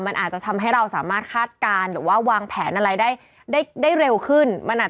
มันอาจจะทำให้เราสามารถคาดการณ์หรือว่าวางแผนอะไรได้ได้เร็วขึ้นมันอาจจะ